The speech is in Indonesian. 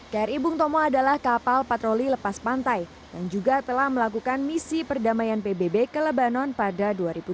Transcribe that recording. kri bung tomo adalah kapal patroli lepas pantai yang juga telah melakukan misi perdamaian pbb ke lebanon pada dua ribu dua puluh